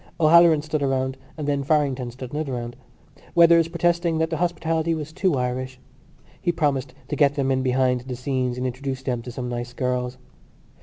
O'Halloran stood a round and then Farrington stood another round, Weathers protesting that the hospitality was too Irish. He promised to get them in behind the scenes and introduce them to some nice girls.